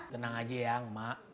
tenang aja ya ma